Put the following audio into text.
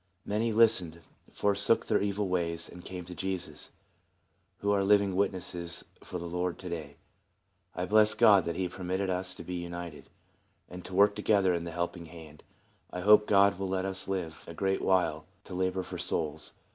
Many listened, forsook their evil ways, and came to Jesus, who are living wit nesses for the Lord to day. I bless God that he permitted us to be united, and to work together in the Helping Hand; and I hope God will let us live a great while to labor for souls.